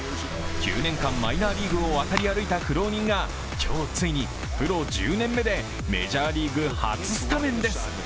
９年間マイナーリーグを渡り歩いた苦労人が、今日ついにプロ１０年目でメジャーリーグ初スタメンです。